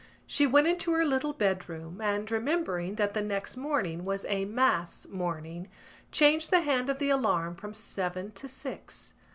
She went into her little bedroom and, remembering that the next morning was a mass morning, changed the hand of the alarm from seven to six.